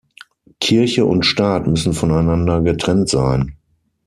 Kirche und Staat müssen voneinander getrennt sein.